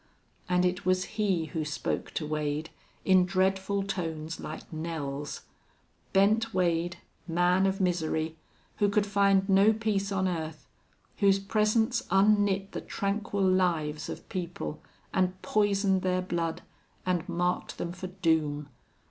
And it was he who spoke to Wade, in dreadful tones, like knells. Bent Wade man of misery who could find no peace on earth whose presence unknit the tranquil lives of people and poisoned their blood and marked them for doom!